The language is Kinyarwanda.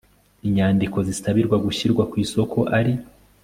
inyandiko zisabirwa gushyirwa ku isoko ari